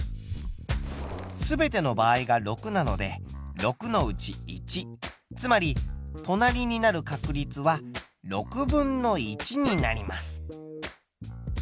すべての場合が６なので６のうち１つまり隣になる確率は６分の１になります。